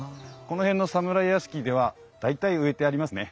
この辺の侍屋敷では大体植えてありますね。